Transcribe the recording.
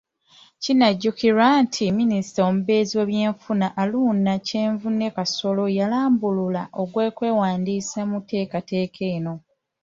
Kinajjukirwa nti Minisita omubeezi ow'ebyenfuna, Haruna Kyeyune Kasolo, yalabula ng'okwewandiisa mu nteekateeka eno .